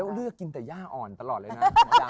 เราเลือกกินแต่ย่าอ่อนตลอดเลยนะ